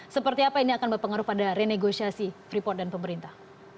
seperti apa ini akan berpengaruh pada renegosiasi freeport dan pemerintah